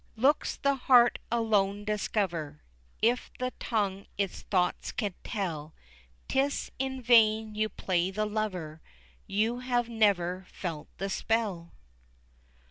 "Looks the heart alone discover, If the tongue its thoughts can tell, 'Tis in vain you play the lover, You have never felt the spell."